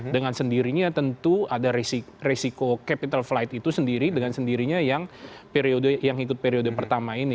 dengan sendirinya tentu ada resiko capital flight itu sendiri dengan sendirinya yang ikut periode pertama ini